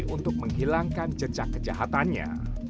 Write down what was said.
untuk menghilangkan jejak kejahatannya